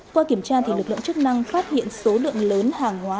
qua kiểm tra lực lượng chức năng phát hiện số lượng lớn hàng hóa